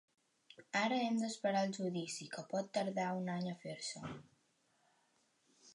Ara hem d’esperar el judici, que pot tardar un any a fer-se.